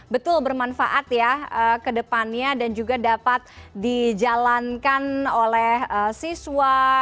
betul bermanfaat ya ke depannya dan juga dapat dijalankan oleh siswa kemudian guru semua satuan pendidikan